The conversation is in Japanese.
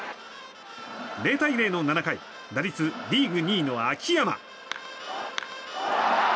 ０対０の７回打率リーグ２位の秋山。